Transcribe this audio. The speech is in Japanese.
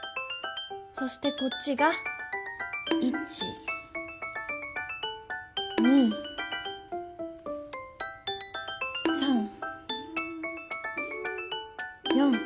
そしてこっちが１２３４。